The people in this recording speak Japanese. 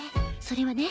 それはね